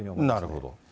なるほど。